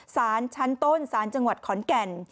สารชั้นต้นสารจังหวัดขอนแก่น